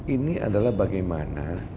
ini adalah bagaimana